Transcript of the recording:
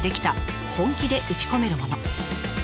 本気で打ち込めるもの。